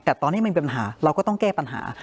แต่ตอนนี้มันมีปัญหาเราก็ต้องแก้ปัญหา